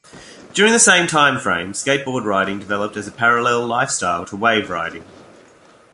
During the same time-frame skateboard riding developed as a parallel lifestyle to wave riding.